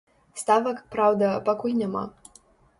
Ставак, праўда, пакуль няма.